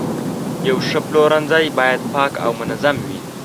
یو ښه پلورنځی باید پاک او منظم وي.